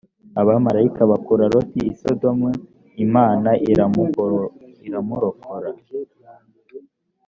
abamarayika bakura loti i sodomu imana iramurokora